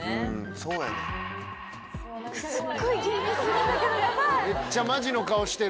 そうやねん。